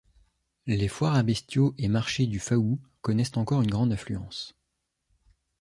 Les foires à bestiaux et marchés du Faou connaissent encore une grande affluence.